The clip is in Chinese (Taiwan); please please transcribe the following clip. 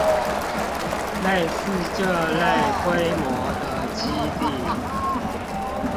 類似這類規模的基地